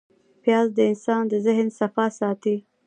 پیاز د انسان د ذهن صفا ساتي